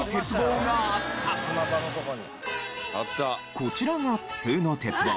こちらが普通の鉄棒。